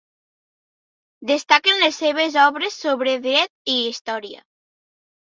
Destaquen les seves obres sobre Dret i Història.